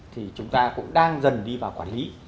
thì chúng ta cũng đang dần đi vào quản lý